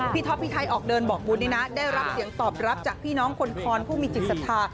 ท็อปพี่ไทยออกเดินบอกบุญนี่นะได้รับเสียงตอบรับจากพี่น้องคนคอนผู้มีจิตศรัทธา